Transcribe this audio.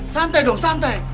santai dong santai